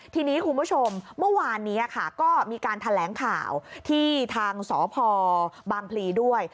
ทีนี้คุณผู้ชมเมื่อวานนี้ค่ะก็มีการแถลงข่าวที่ทางสพบางพลีด้วย